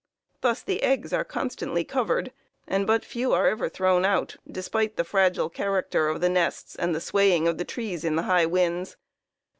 "Thus the eggs are constantly covered, and but few are ever thrown out despite the fragile character of the nests and the swaying of the trees in the high winds.